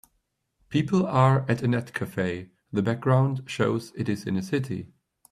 people are at a net cafe, the background shows it is in a city